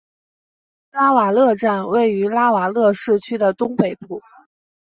拉瓦勒站位于拉瓦勒市区的东北部。